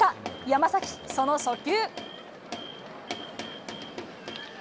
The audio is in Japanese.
山崎、その初球。